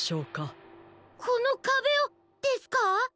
このかべをですか！？